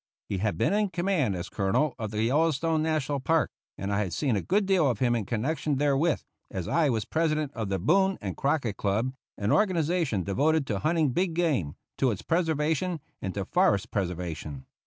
He had been in command, as Colonel, of the Yellowstone National Park, and I had seen a good deal of him in connection therewith, as I was President of the Boone and Crockett Club, an organization devoted to hunting big game, to its preservation, and to forest preservation.